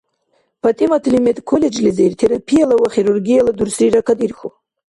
ПатӀиматли медколледжлизир терапияла ва хирургияла дурсрира кадирхьу.